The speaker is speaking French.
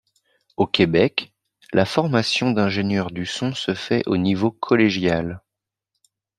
Au Québec, la formation d'ingénieur du son se fait au niveau collégial.